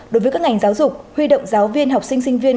đối với các ngành giáo dục huy động giáo viên học sinh sinh viên